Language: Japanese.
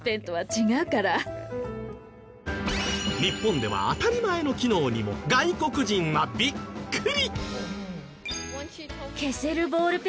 日本では当たり前の機能にも外国人はビックリ！